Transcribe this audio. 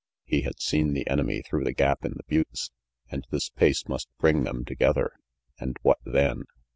He had seen the enemy through the gap in the buttes, and this pace must bring them together; and what then?